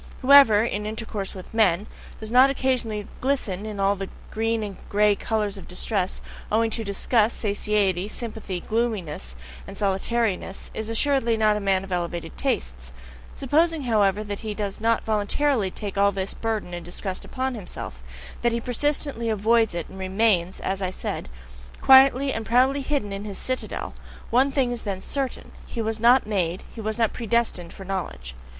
Whoever, in intercourse with men, does not occasionally glisten in all the green and grey colours of distress, owing to disgust, satiety, sympathy, gloominess, and solitariness, is assuredly not a man of elevated tastes; supposing, however, that he does not voluntarily take all this burden and disgust upon himself, that he persistently avoids it, and remains, as I said, quietly and proudly hidden in his citadel, one thing is then certain: he was not made, he was not predestined for knowledge.